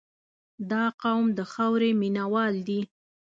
• دا قوم د خاورې مینه وال دي.